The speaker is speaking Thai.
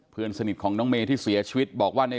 เพื่อนสนิทของน้องเมย์ที่เสียชีวิตบอกว่าใน